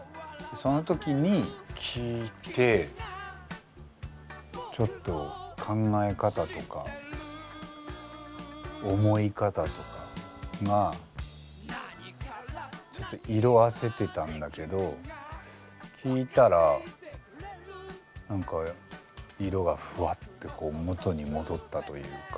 その時に聴いてちょっと考え方とか思い方とかがちょっと色あせてたんだけど聴いたらなんか色がふわってこう元に戻ったというか。